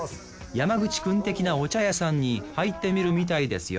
山口君的なお茶屋さんに入ってみるみたいですよ